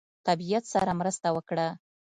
طبیعت سره مرسته وکړه.